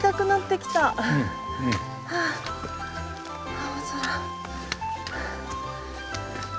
青空。